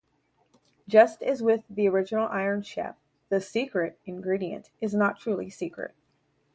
Just as with the original "Iron Chef", the "secret" ingredient is not truly secret.